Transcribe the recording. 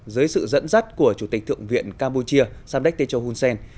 dưới sự dẫn dắt của chủ tịch thượng viện campuchia samdech techo hunsen